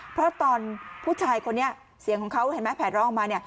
เพราะตอนผู้ชายคนนี้เสียงของเขาเห็นไหมแผลร้องออกมาเนี่ย